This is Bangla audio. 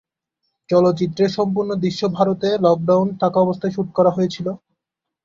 চলচ্চিত্রের সম্পূর্ণ দৃশ্য ভারতে লকডাউন থাকাবস্থায় শ্যুট করা হয়েছিল।